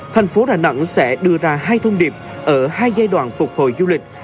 thành phố đà nẵng sẽ đưa ra hai thông điệp ở hai giai đoạn phục hồi du lịch